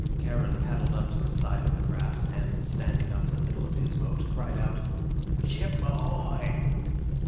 Charon paddled up to the side of the craft, and, standing up in the middle of his boat, cried out, "Ship ahoy!"